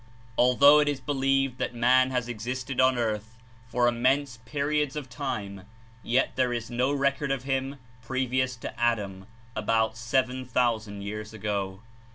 Although it is 27 believed that man has existed on earth for immense periods of time, yet there Is no record of him previous to Adam, about 7,000 years ago.